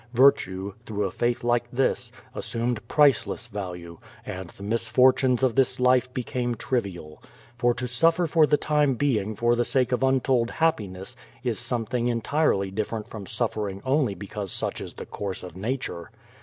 Virtue, through a faith like this, assumed priceless value, and tlie misfortunes of this life became trivial. For to suffer for the time being for the sake of untold happiness is something en tirely different from suffering only because such is the course of nature.